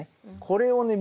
これをね